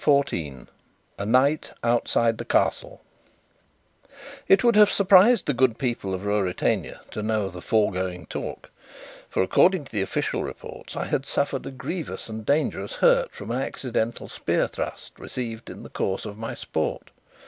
CHAPTER 14 A Night Outside the Castle It would have surprised the good people of Ruritania to know of the foregoing talk; for, according to the official reports, I had suffered a grievous and dangerous hurt from an accidental spear thrust, received in the course of my sport.